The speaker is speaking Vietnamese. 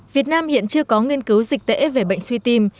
việt nam hiện chưa có nghiên cứu dịch tễ về bệnh suy tim